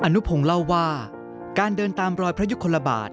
อนุพงศ์เล่าว่าการเดินตามรอยพระยุคลบาท